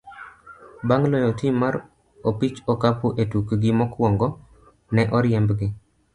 bang' loyo tim mar opich okapu e tukgi mokwongo, ne oriembgi.